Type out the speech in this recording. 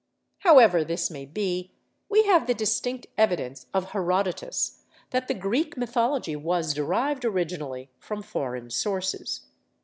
However this may be, we have the distinct evidence of Herodotus that the Greek mythology was derived originally from foreign sources.